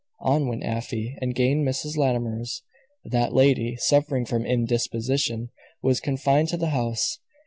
On went Afy, and gained Mrs. Latimer's. That lady, suffering from indisposition was confined to the house.